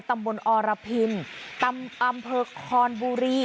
ตำบลอรพินอำเภอคอนบุรี